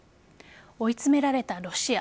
追い詰められたロシア。